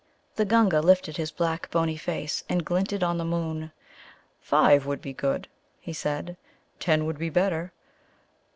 The Gunga lifted his black bony face, and glinted on the moon. "Five would be good," he said. "Ten would be better.